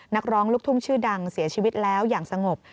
นักร้องลูกทุ่งชื่อดังเสียชีวิตแล้วอย่างสงบ